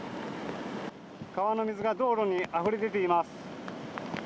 川の水が道路にあふれ出ています。